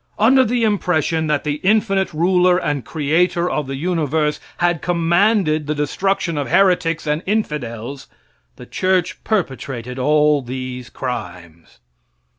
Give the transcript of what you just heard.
Under the impression that the infinite ruler and creator of the universe had commanded the destruction of heretics and infidels, the church perpetrated all these crimes.